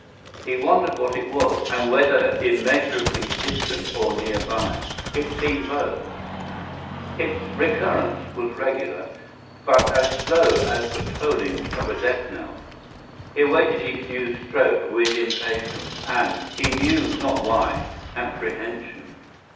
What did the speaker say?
He wondered what it was, and whether immeasurably distant or near by— it seemed both. Its recurrence was regular, but as slow as the tolling of a death knell. He awaited each new stroke with impatience and—he knew not why—apprehension.